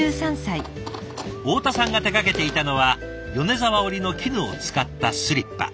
太田さんが手がけていたのは米沢織の絹を使ったスリッパ。